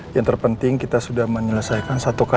yang terpenting kita sudah menyelesaikan satu keadaan